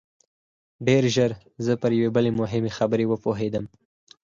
ډېر ژر زه پر یوې بلې مهمې خبرې وپوهېدم